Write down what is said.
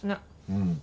うん。